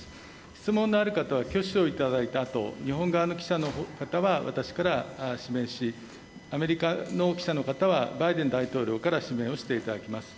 質問のあるかたは挙手をいただいたあと、日本側の記者の方は、私から指名し、アメリカの記者の方はバイデン大統領から指名をしていただきます。